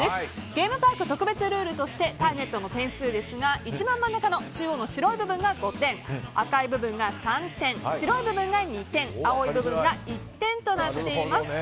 ゲームパーク特別ルールとしてターゲットの点数でが中央の真ん中の部分が５点赤い部分が３点、白い部分が２点青い部分が１点となっています。